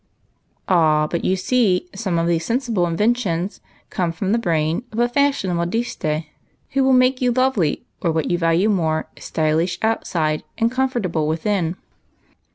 " Ah, but you see some of these sensible inventions come from the brain of a fashionable modiste, who will make you lovely, or what you value more, —* stylish' outside and comfortable within.